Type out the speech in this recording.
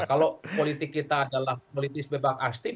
kalau politik kita adalah politik bebas aktif